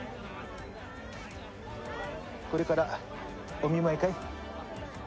これからお見舞いかい？